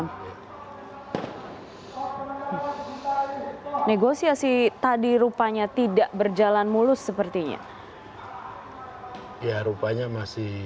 masa dalam jumlah besar sudah terurai sebetulnya sudah keluar dari wilayah ini